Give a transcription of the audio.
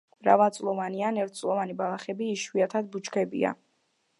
მრავალწლოვანი ან ერთწლოვანი ბალახები, იშვიათად ბუჩქებია.